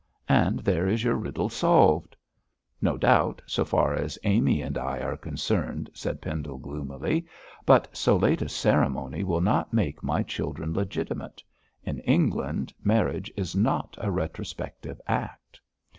and there is your riddle solved.' 'No doubt, so far as Amy and I are concerned,' said Pendle, gloomily, 'but so late a ceremony will not make my children legitimate. In England, marriage is not a retrospective act.'